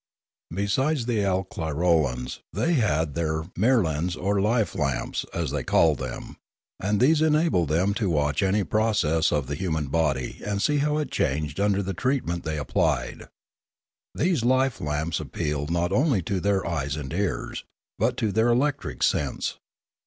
Besides the alclirolans, they had their mirlans or life lamps, as they called them; and these enabled them to watch any process of the human body and see how it changed under the treatment they ap plied. These life lamps appealed not only to their eyes and ears, but to their electric sense.